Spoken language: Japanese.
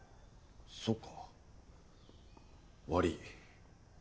そっか悪ぃ。